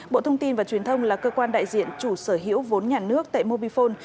bộ thông tin và truyền thông là cơ quan đại diện chủ sở hữu vốn nhà nước tại mobifone